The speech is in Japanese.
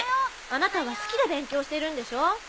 あなたは好きで勉強してるんでしょう。